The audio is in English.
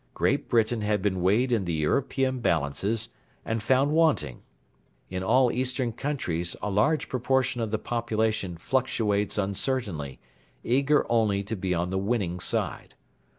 Great Britain had been weighed in the European balances and found wanting. In all Eastern countries a large proportion of the population fluctuates uncertainly, eager only to be on the winning side.